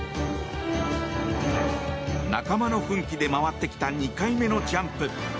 仲間の奮起で回ってきた２回目のジャンプ。